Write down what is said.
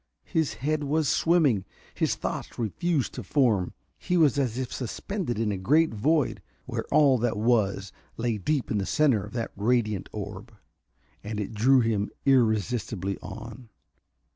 His head was swimming, his thoughts refused to form. He was as if suspended in a great void, where all that was lay deep in the center of that radiant orb. And it drew him irresistibly on.